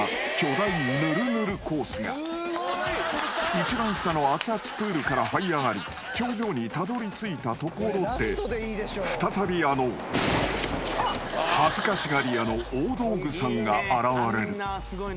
［一番下のアツアツプールからはい上がり頂上にたどりついたところで再びあの恥ずかしがり屋の大道具さんが現れる］